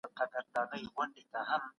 راځئ د خپل هېواد لپاره کار وکړو.